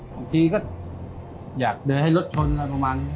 บางทีก็อยากเดินให้รถชนมันประมาณ